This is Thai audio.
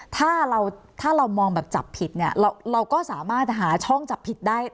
ถ้าเราถ้าเรามองแบบจับผิดเนี่ยเราก็สามารถหาช่องจับผิดได้